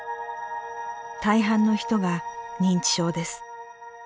大半の人が認知症です。